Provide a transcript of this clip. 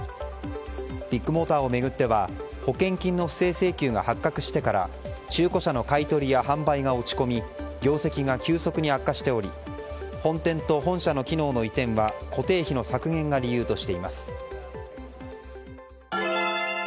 ビッグモーターを巡っては保険金の不正請求が発覚してから中古車の買い取りや販売が落ち込み業績が急速に悪化しており本店と本社の機能の移転は固定費の削減が理由としています。